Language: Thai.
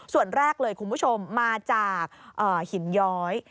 ส่วนแรกเลยคุณผู้ชมมาจากหินย้อย